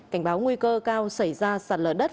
cảnh báo nguy cơ cao xảy ra sạt lở đất